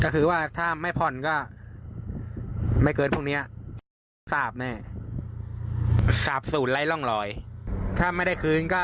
ของคืออะไร